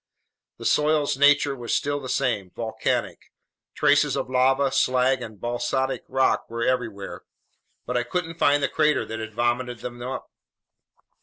The soil's nature was still the same: volcanic. Traces of lava, slag, and basaltic rock were everywhere, but I couldn't find the crater that had vomited them up.